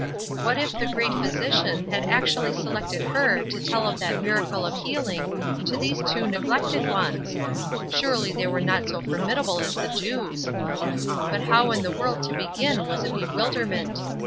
What if the great Physician had actually selected her to tell of that miracle of healing to these two neglected ones! Surely they were not so formidable as the Jews! But how in the world to begin was a bewilderment.